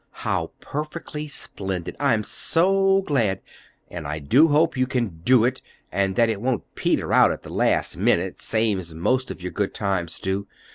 "How perfectly splendid! I'm so glad! And I do hope you can do it, and that it won't peter out at the last minute, same's most of your good times do.